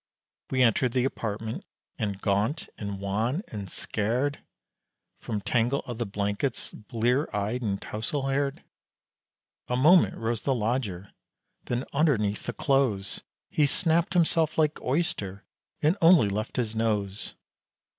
We entered the apartment, and gaunt, and wan, and scared! From tangle of the blankets, blear eyed, and towsel haired, A moment rose the lodger, then underneath the clothes, He snapped himself like oyster, and only left his nose.